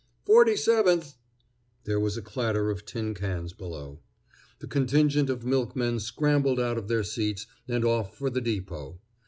"Forty seventh!" There was a clatter of tin cans below. The contingent of milkmen scrambled out of their seats and off for the depot.